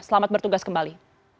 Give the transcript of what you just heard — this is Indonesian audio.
selamat bertugas kembali